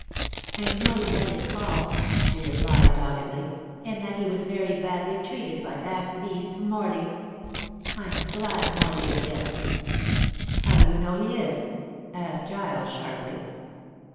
"I know he had his faults," she replied doggedly, "and that he was very badly treated by that beast Morley. I'm glad Morley is dead." "How do you know he is?" asked Giles sharply.